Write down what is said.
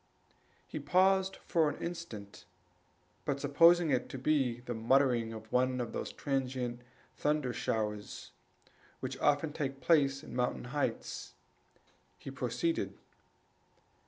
He paused for a moment, but supposing it to be the muttering of one of those transient thunder showers which often take place in mountain heights, he proceeded.